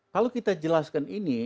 kalau kita jelaskan ini